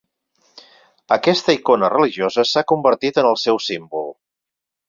Aquesta icona religiosa s'ha convertit en el seu símbol.